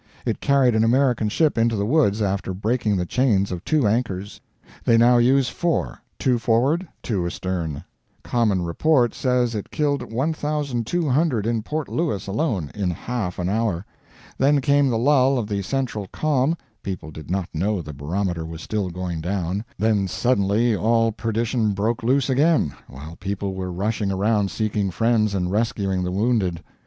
It carried an American ship into the woods after breaking the chains of two anchors. They now use four two forward, two astern. Common report says it killed 1,200 in Port Louis alone, in half an hour. Then came the lull of the central calm people did not know the barometer was still going down then suddenly all perdition broke loose again while people were rushing around seeking friends and rescuing the wounded.